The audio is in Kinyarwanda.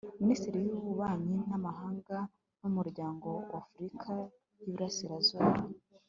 minisiteri y'ububanyi n'amahanga n'umuryango w'afurika y'iburasirazuba